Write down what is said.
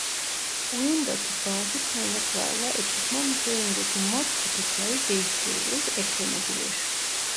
Oyundaki bazı kaynaklarla ekipman üzerindeki mod kutupları değiştirilip eklenebilir.